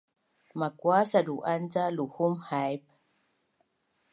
Makua sadu’an ca luhum haip?